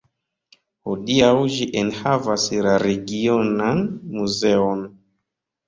Hodiaŭ ĝi enhavas la regionan muzeon.